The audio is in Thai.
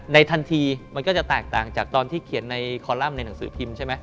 ทันทีมันก็จะแตกต่างจากตอนที่เขียนในคอลัมป์ในหนังสือพิมพ์ใช่ไหม